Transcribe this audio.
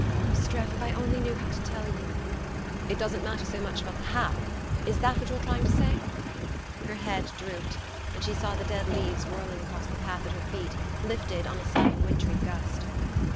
"Oh, Streff if I knew how to tell you!" "It doesn't so much matter about the how. Is that what you're trying to say?" Her head drooped, and she saw the dead leaves whirling across the path at her feet, lifted on a sudden wintry gust.